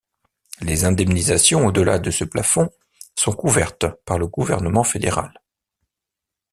Les indemnisations au-delà de ce plafond sont couvertes par le gouvernement fédéral.